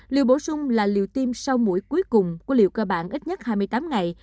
liều bổ sung là liều tiêm sau mũi cuối cùng của liều cơ bản ít nhất hai mươi tám ngày